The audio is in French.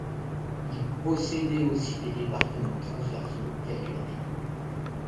Il possédait aussi des départements transversaux, tel que la finance.